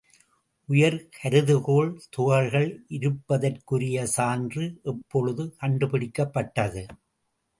உயர் கருதுகோள் துகள்கள் இருப்பதற்குரிய சான்று எப்பொழுது கண்டுபிடிக்கப்பட்டது?